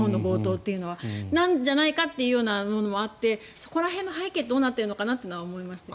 そうなんじゃないかという部分もあってそこら辺の背景はどうなってるのかなと思いましたけど。